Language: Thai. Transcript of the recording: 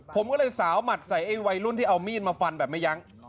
ผมก็เลยสาวหมัดใส่ไอ้วัยรุ่นที่เอามีดมาฟันแบบไม่ยั้ง